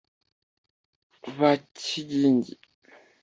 ba kigingi